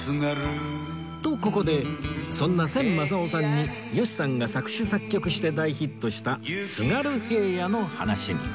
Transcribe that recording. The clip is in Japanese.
とここでそんな千昌夫さんに吉さんが作詞作曲して大ヒットした『津軽平野』の話に